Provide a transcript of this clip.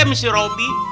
sama si robi